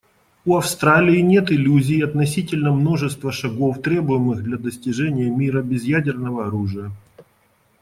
У Австралии нет иллюзий относительно множества шагов, требуемых для достижения мира без ядерного оружия.